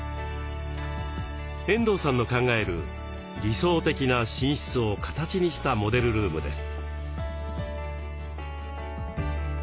遠藤さんの考える「理想的な寝室」を形にしたモデルルームです。